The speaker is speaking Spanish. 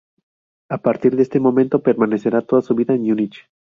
A partir de este momento, permanecerá toda su vida en Múnich.